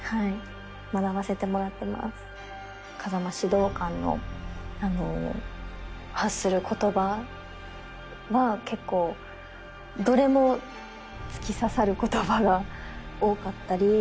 風間指導官の発する言葉は結構どれも突き刺さる言葉が多かったり。